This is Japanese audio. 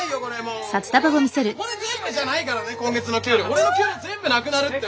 俺の給料全部なくなるって。